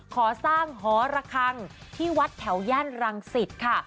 ขอสร้างหอระคังที่วัดแถวย่านรังสิตค่ะ